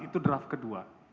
itu draft kedua